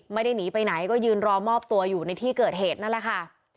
ไม่ได้หนีไปไหนก็ยืนรอมอบตัวอยู่ในที่เกิดเหตุนั่นแหละค่ะ